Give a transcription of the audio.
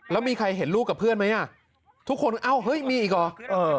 แล้วมีใครเห็นลูกกับเพื่อนไหมอ่ะทุกคนเอ้าเฮ้ยมีอีกเหรอเออ